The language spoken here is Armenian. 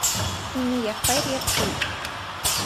Ունի եղբայր և քույր։